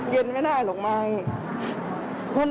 ดูดิาหวัง